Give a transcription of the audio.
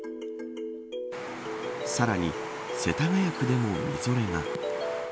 さらに、世田谷区でもみぞれが。